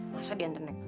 masa diantrein naik bmo